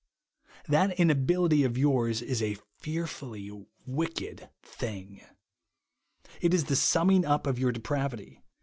That inability of yours is a fearfully wicked thing. It is the summing up of your depravity.